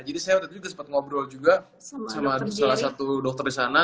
jadi saya waktu itu juga sempat ngobrol juga sama salah satu dokter di sana